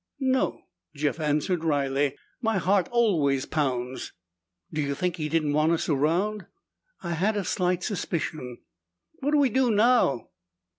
"No," Jeff answered wryly, "my heart always pounds." "Do you think he didn't want us around?" "I had a slight suspicion." "What do we do now?"